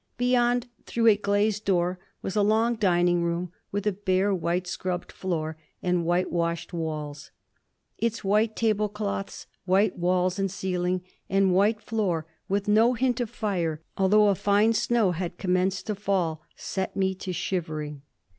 Beyond, through a glazed door, was a long dining room, with a bare, white scrubbed floor and whitewashed walls. Its white table cloths, white walls and ceiling and white floor, with no hint of fire, although a fine snow had commenced to fall, set me to shivering.